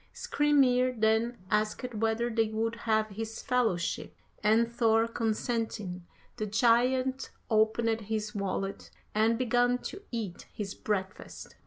Skrymir then asked whether they would have his fellowship, and Thor consenting, the giant opened his wallet and began to eat his breakfast.